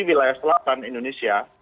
wilayah selatan indonesia